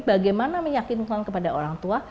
bagaimana meyakinkan kepada orang tua